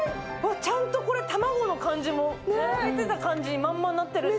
ちゃんとこれ、卵の感じも、置いてた感じまんまになってるし。